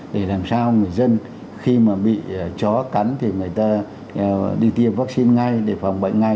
để làm sao người dân khi mà bị chó cắn thì người ta đi tiêm vaccine ngay để phòng bệnh ngay